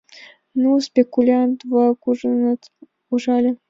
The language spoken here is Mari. Ну, спекулянт-влак ужыныт: «Ужале!»